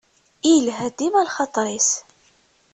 Yelha dima lxaṭer-is.